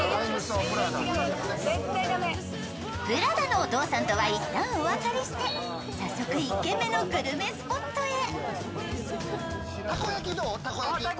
ＰＲＡＤＡのお父さんとはいったんお別れして早速、１軒目のグルメスポットへ。